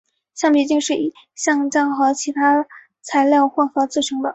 橡皮筋是以橡胶和其他材料混合制成的。